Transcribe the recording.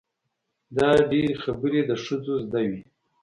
دا ډېرې خبرې د ښځو زده وي.